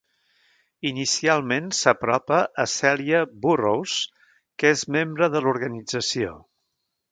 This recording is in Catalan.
Inicialment s'apropa a Celia Burrows, que és membre de l'organització.